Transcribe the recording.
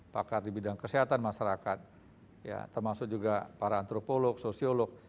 pakar di bidang kesehatan masyarakat termasuk juga para antropolog sosiolog